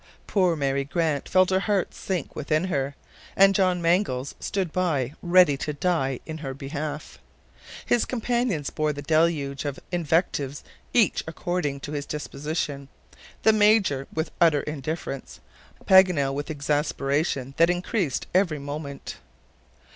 Poor Mary Grant felt her heart sink within her, and John Mangles stood by ready to die in her behalf. His companions bore the deluge of invectives each according to his disposition; the Major with utter indifference, Paganel with exasperation that increased every moment.